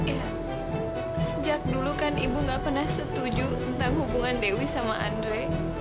ya sejak dulu kan ibu gak pernah setuju tentang hubungan dewi sama andre